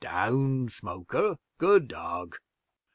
"Down, Smoker, good dog!